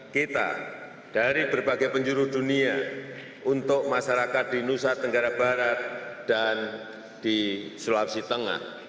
kita dari berbagai penjuru dunia untuk masyarakat di nusa tenggara barat dan di sulawesi tengah